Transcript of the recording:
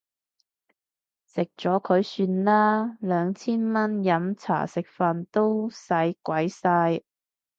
食咗佢算啦，兩千蚊飲茶食飯都使鬼晒